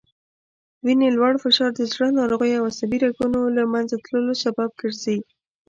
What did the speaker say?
وینې لوړ فشار د زړه ناروغیو او عصبي رګونو له منځه تللو سبب ګرځي